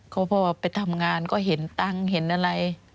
ก็พอไปทำงานก็เห็นตังค์เห็นอะไร